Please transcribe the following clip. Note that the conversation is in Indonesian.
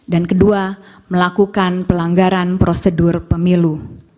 dan kedua melakukan pelanggaran prosedur pemilu